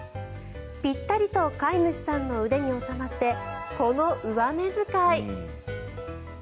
ぴったりと飼い主さんの腕に収まってこの上目遣い。